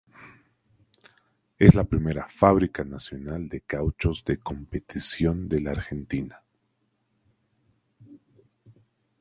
Es la primera fábrica nacional de cauchos de competición de la Argentina.